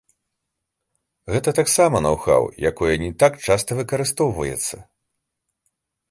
Гэта таксама ноў-хаў, якое не так часта выкарыстоўваецца.